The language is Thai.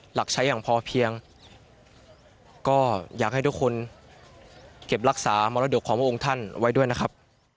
หลักใช้อย่างพอเพียงก็อยากให้ทุกคนเก็บรักษามรดกของพระองค์ท่านไว้ด้วยนะครับ